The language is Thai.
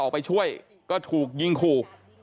ออกไปช่วยก็ถูกยิงขู่